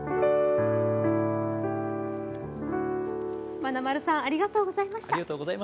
まなまるさん、ありがとうございました。